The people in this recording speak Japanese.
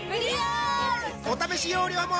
お試し容量も